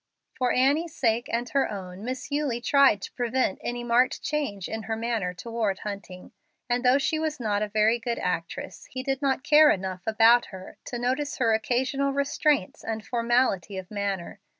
For Annie's sake and her own Miss Eulie tried to prevent any marked change in her manner toward Hunting, and though she was not a very good actress he did not care enough about her to notice her occasional restraints and formality of manner.